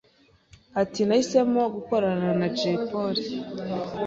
ati Nahisemo gukorana na Jay Polly